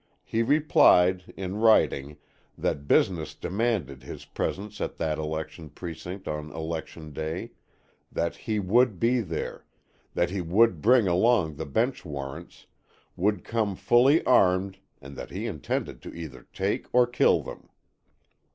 He replied, in writing, that business demanded his presence at that election precinct on election day; that he would be there; that he would bring along the bench warrants, would come fully armed and that he intended to either take or kill them.